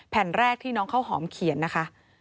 แผ่นแรกที่น้องข้าวหอมเขียนนะคะ